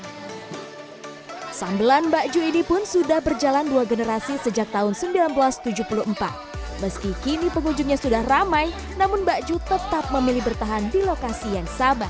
hai sambelan bakju ini pun sudah berjalan dua generasi sejak tahun seribu sembilan ratus tujuh puluh empat meski kini pengunjungnya sudah ramai namun bak ju tetap memilih bertahan di lokasi yang sabar